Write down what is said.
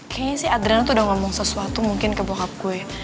kayaknya sih adrena tuh udah ngomong sesuatu mungkin ke bokap gue